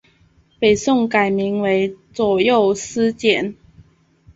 北宋改名为左右司谏。